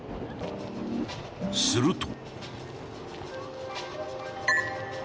すると。